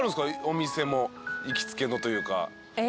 お店も行きつけのというか。